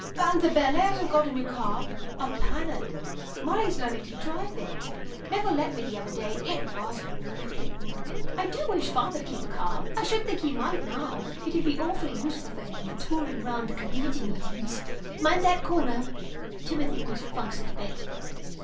And the Bellairs have got a new car, a Panhard; Molly's learning to drive it. Nevill let me the other day; it was ripping. I do wish father'd keep a car. I should think he might now. It would be awfully useful for him for touring round to committee meetings. Mind that corner; Timothy always funks it a bit."